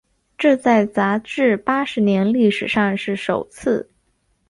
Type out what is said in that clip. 这在杂志八十年历史上是首次。